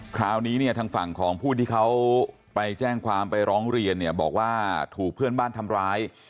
คราวนี้เนี่ยทางฝั่งของผู้ที่เขาไปแจ้งความไปร้องเรียนเนี่ยบอกว่าถูกเพื่อนบ้านทำร้าย